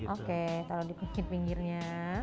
oke taruh di pinggirnya